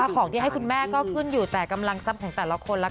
คิดถึงบรรยากาศเหล่านั้นครับ